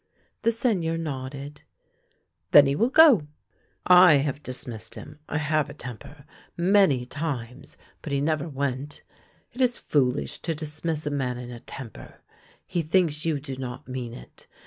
The Seigneur nodded. " Then he will go. I have dismissed him — I have a temper — many times, but he never went. It is foolish to dismiss a man in a temper. He thinks you do not mean it.